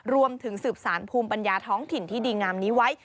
รวมถึงสืบสารภูมิปัญญาท้องถิ่นที่ดีงามนี้ไว้